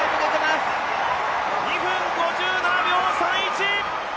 ２分５７秒３１！